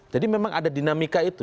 jadi memang ada dinamika itu